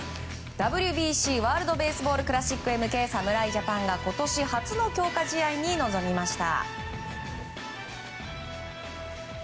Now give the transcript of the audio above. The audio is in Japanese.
ＷＢＣ・ワールド・ベースボール・クラシックへ向け侍ジャパンが今年初の強化試合に臨みました。